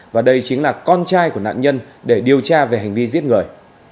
và đây chính là con trai của nạn nhân để điều tra về hành vi giết người